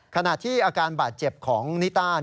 ขณะที่อาการบาดเจ็บของนิต้า